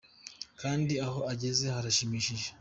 kandi aho igeze harashimishije.